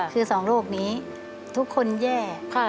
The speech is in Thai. คือสองโรคนี้ทุกคนแย่